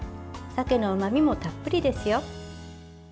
鮭のうまみもたっぷりですよ。